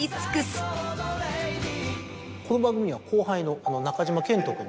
この番組には後輩の中島健人君。